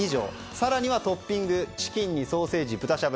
更にはトッピングチキンにソーセージ、豚しゃぶ。